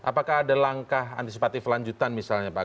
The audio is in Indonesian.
apakah ada langkah antisipatif lanjutan misalnya pak